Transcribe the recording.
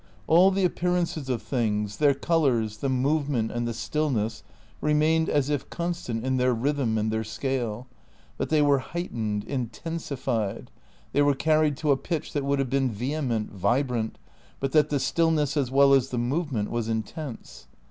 All the appearances of things, their colours, the movement and the stillness remained as if constant in their rhythm and their scale; but they were heightened, intensified; they were carried to a pitch that would have been vehement, vibrant, but that the stillness as well as the movement was intense.